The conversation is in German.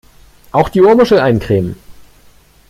Auch die Ohrmuschel eincremen!